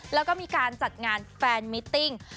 แล้วก็มีการจัดงานแฟนมิตติ้ง